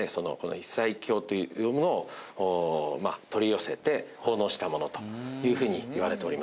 一切経というものを取り寄せて奉納したものというふうにいわれております。